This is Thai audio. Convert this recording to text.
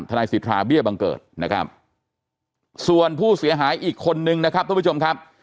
นายสิทธาเบี้ยบังเกิดนะครับส่วนผู้เสียหายอีกคนนึงนะครับทุกผู้ชมครับ